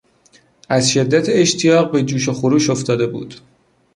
از شدت اشتیاق به جوش و خروش افتاده بود.